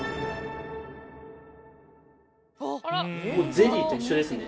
ゼリーと一緒ですね。